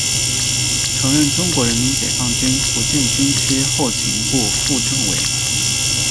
曾任中国人民解放军福建军区后勤部副政委。